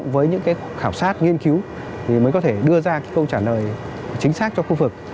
bắt nghiên cứu thì mới có thể đưa ra cái câu trả lời chính xác cho khu vực